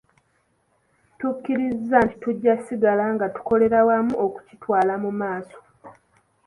Tukkiriza nti tujja kusigala nga tukolera wamu okukitwala mu maaso.